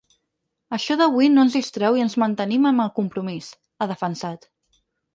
Això d’avui no ens distreu i ens mantenim amb el compromís, ha defensat.